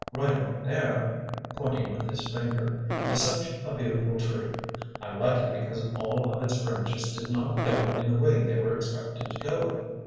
Right over there," pointing with his finger "is such a beautiful tree. I like it because all of its branches did not go in the way they were expected to go.